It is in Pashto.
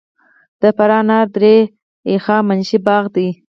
د فراه انار درې د هخامنشي باغ دی